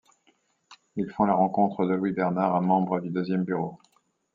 Ils font la rencontre de Louis Bernard, un membre du Deuxième Bureau.